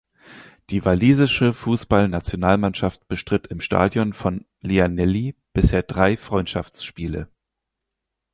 Die walisische Fußballnationalmannschaft bestritt im Stadion von Llanelli bisher drei Freundschaftsspiele.